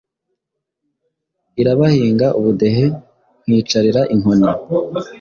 Irabahinga ubudehe, Nkicarira inkoni.